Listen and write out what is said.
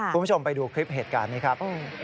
คุณผู้ชมไปดูคลิปเหตุการณ์นี้ครับ